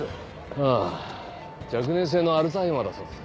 ああ若年性のアルツハイマーだそうです